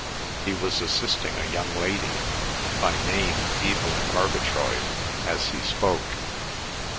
He was assisting a young lady, by name Evelyn Murgatroyd, as he spoke.